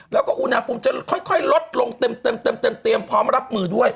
แล้วก็อุณหภูมิจะค่อยลดลงเต็มเตรียมพร้อมรับมือด้วย